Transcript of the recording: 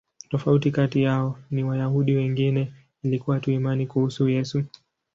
Tofauti kati yao na Wayahudi wengine ilikuwa tu imani kuhusu Yesu.